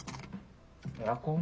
・エアコン？